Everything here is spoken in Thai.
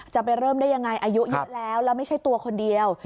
จะไปเริ่มได้ยังไงอายุเยอะแล้วแล้วไม่ใช่ตัวคนเดียว